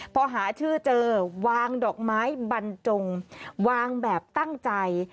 พอหาชื่อเจอวางดอกไม้บรรจงวางแบบตั้งใจ